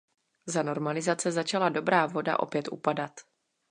Za normalizace začala Dobrá Voda opět upadat.